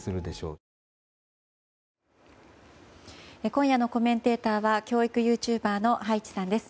今夜のコメンテーターは教育ユーチューバーの葉一さんです。